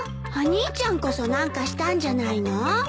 お兄ちゃんこそ何かしたんじゃないの？